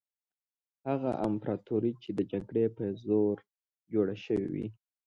هغه امپراطوري چې د جګړې په زور جوړه شوې وي.